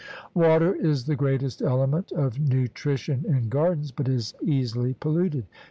Water is the greatest element of nutrition in gardens, but is easily polluted.